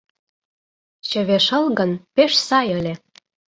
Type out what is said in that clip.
— Чыве шыл гын, пеш сай ыле!